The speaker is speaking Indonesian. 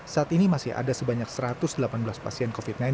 saat ini masih ada sebanyak satu ratus delapan belas pasien covid sembilan belas